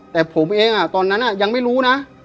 แต่ผมเองตอนนั้นยังไม่รู้นะ